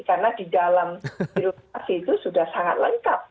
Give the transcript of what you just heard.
karena di dalam birokrasi itu sudah sangat lengkap